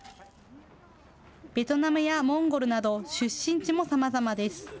ベトナムやモンゴルなど出身地もさまざまです。